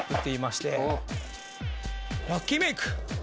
ラッキーメイク！